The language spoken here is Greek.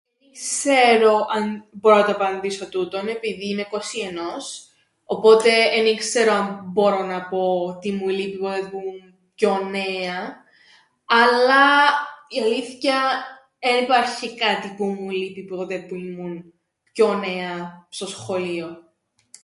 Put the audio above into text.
Εν ι-ξέρω αν μπόρω να το απαντήσω τούτον επειδή είμαι 'κοσι ενός, οπότε εν ι-ξέρω αν μπόρω να πω τι μου λείπει που τότε που ήμουν πιο νέα, αλλά η αλήθκεια εν υπάρχει κάτι που μου λείπει που ήμουν πιο νέα στο σχολείον.